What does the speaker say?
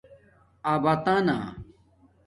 اباتݳنہ